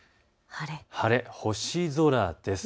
晴れ、星空です。